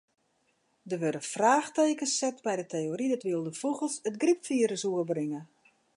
Der wurde fraachtekens set by de teory dat wylde fûgels it grypfirus oerbringe.